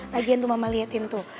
lagian tuh mama liatin tuh